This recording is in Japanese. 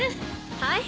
はい。